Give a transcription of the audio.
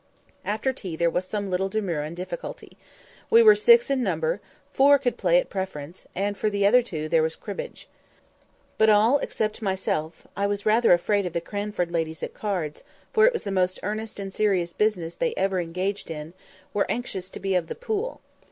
After tea there was some little demur and difficulty. We were six in number; four could play at Preference, and for the other two there was Cribbage. But all, except myself (I was rather afraid of the Cranford ladies at cards, for it was the most earnest and serious business they ever engaged in), were anxious to be of the "pool."